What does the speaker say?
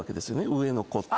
上の子って。